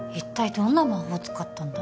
どんな魔法使ったんだ？